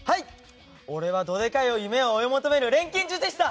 俺はどでかい夢を追い求める錬金術師さ！